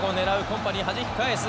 コンパニーはじき返す。